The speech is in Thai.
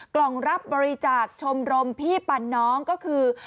กล่องรับบริจาคชมรมพี่ปันน้องก็คือ